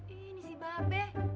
ini sih ba be